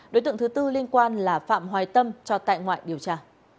đối tượng thứ tư liên quan là phạm hoài tâm cho tại ngoại điều tra